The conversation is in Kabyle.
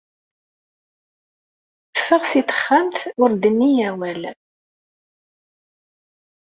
Teffeɣ si texxamt ur d-tenni awal.